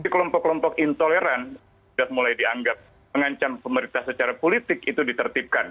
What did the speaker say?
kelompok kelompok intoleran sudah mulai dianggap mengancam pemerintah secara politik itu ditertibkan